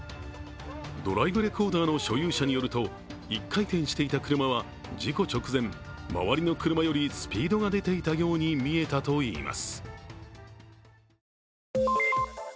ドライブレコーダーの所有者によると、１回転していた車は事故直前、周りの車よりスピードが出ていたように見えたといいます。